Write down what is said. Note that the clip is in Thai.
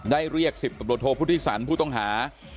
ได้เรียกสิบตบลโทษพุทธิสันผู้ต้องหา